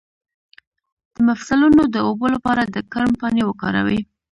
د مفصلونو د اوبو لپاره د کرم پاڼې وکاروئ